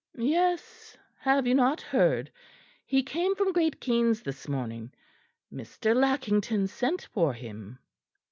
"Yes; have you not heard? He came from Great Keynes this morning. Mr. Lackington sent for him."